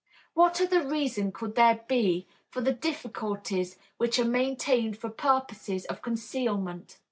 What other reason could there be for the difficulties which are maintained for purposes of concealment?